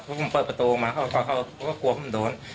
เพราะผมเปิดประตูมาเขาก็กลัวผมโดน